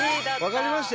分かりました。